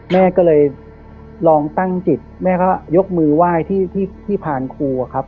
แม่ก็เลยลองตั้งจิตแม่ก็ยกมือไหว้ที่ผ่านครูอะครับ